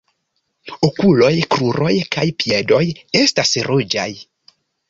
Okuloj, kruroj kaj piedoj estas ruĝaj.